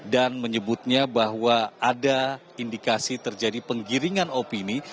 dan menyebutnya bahwa ada indikasi terjadi penggiringan opini